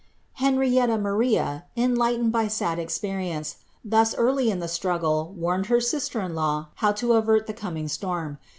Henrietta Maria, enlightened by sad experience, thus early in die struggle warned her sister in law how to avert the coming storm.